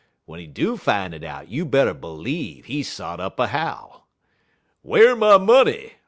w'en he do fine it out, you better b'leeve he sot up a howl. "'Whar my money?